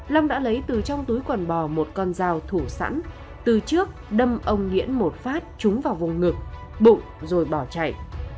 long đã lấy từ trong túi quần bò một con dao thủ sẵn từ trước đâm ông nguyễn một phát trúng vào vùng ngực bụng rồi bỏ chạy